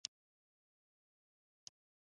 هغه غواړي، چې د خوړو او ښځو واک وساتي.